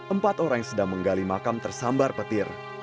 empat orang yang sedang menggali makam tersambar petir